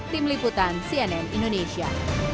tim liputan cnn indonesia